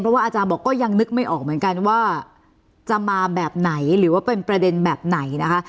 เพราะว่าอาจารย์บอกก็ยังนึกไม่ออกเหมือนกันว่าจะมาแบบไหนหรือว่าเป็นประเด็นแบบไหนนะคะ